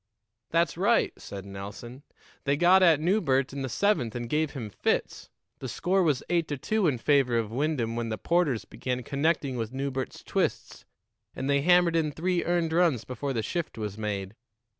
"That's right," said Nelson. "They got at Newbert in the seventh and gave him fits. The score was eight to two in favor of Wyndham when the 'Porters began connecting with Newbert's twists, and they hammered in three earned runs before the shift was made.